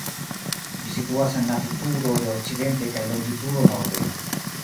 Ĝi situas en latitudo de okcidente kaj longitudo norde.